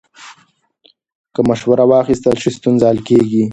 که مشوره واخیستل شي، ستونزه حل کېږي.